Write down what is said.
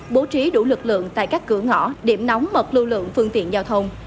bố trí đủ lực lượng tại các cửa ngõ điểm nóng mật lưu lượng phương tiện giao thông